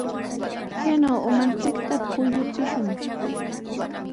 Kaynaw umanchikta kuyuchishun.